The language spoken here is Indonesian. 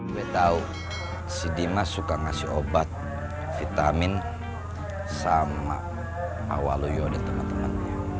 gue tau si dimas suka ngasih obat vitamin sama pak walu yo dan teman teman